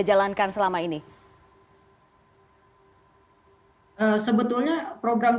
kita harus memiliki program